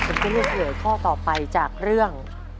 ผมจะเลือกเฉลยข้อต่อไปจากเรื่อง